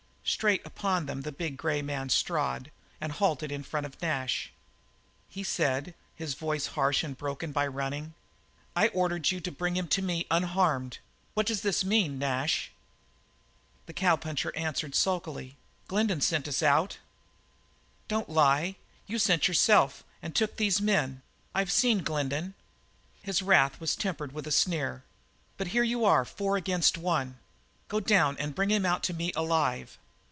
Straight upon them the big grey man strode and halted in front of Nash. He said, his voice harsh and broken by his running: "I ordered you to bring him to me unharmed. What does this mean, Nash?" The cowpuncher answered sulkily: "Glendin sent us out." "Don't lie. You sent yourself and took these men. I've seen Glendin." His wrath was tempered with a sneer. "But here you are four against one. Go down and bring him out to me alive!"